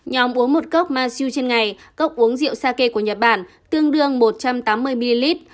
nhóm uống một cốc maciu trên ngày cốc uống rượu sake của nhật bản tương đương một trăm tám mươi ml